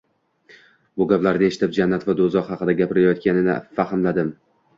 Bu gaplarini eshitib, Jannat va Doʻzax haqida gapirayotganini fahmladim.